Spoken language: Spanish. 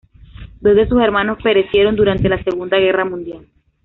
Dos de sus hermanos perecieron durante la segunda guerra mundial.